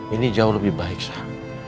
ini jauh lebih baik saya